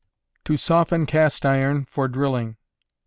_To Soften Cast Iron, for Drilling.